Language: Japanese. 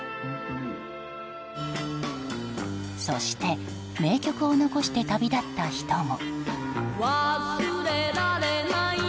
そして、名曲を残して旅立った人も。